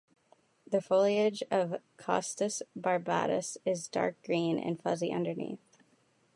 The foliage of "Costus barbatus" is dark green and fuzzy underneath.